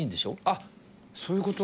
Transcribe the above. あっそういう事？